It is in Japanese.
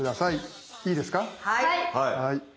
はい。